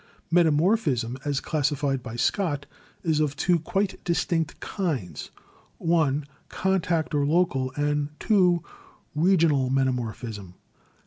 Metamorphism, as classified by Scott, is of two quite 174 GEOLOGY distinct kinds: (i) Contact or local, and (2) regional metamorphism.